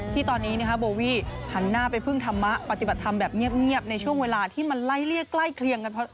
ที่ตอนนี้โบวี่หันหน้าไปพึ่งธรรมะปฏิบัติธรรมแบบเงียบในช่วงเวลาที่มันไล่เลี่ยใกล้เคลียงกัน